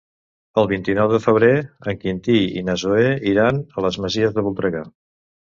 El vint-i-nou de febrer en Quintí i na Zoè iran a les Masies de Voltregà.